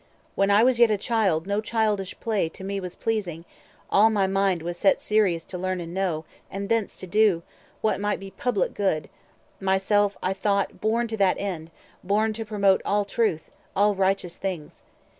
200 When I was yet a child, no childish play To me was pleasing; all my mind was set Serious to learn and know, and thence to do, What might be public good; myself I thought Born to that end, born to promote all truth, All righteous things.